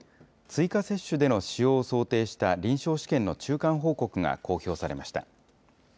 追加接種での使用を想定した臨床試験の中間報告が公表されました。